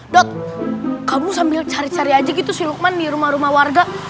dok kamu sambil cari cari aja gitu si lukman di rumah rumah warga